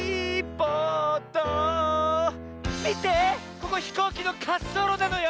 ここひこうきのかっそうろなのよ！